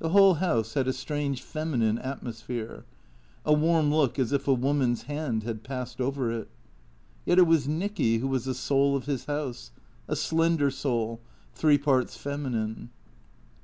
The whole house had a strange feminine atmosphere, a warm look as if a woman's hand had passed over it. Yet it was Nicky who was the soul of his house, a slender soul, three parts feminine.